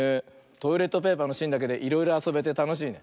トイレットペーパーのしんだけでいろいろあそべてたのしいね。